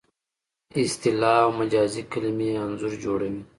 اصطلاح او مجازي کلمې انځور جوړوي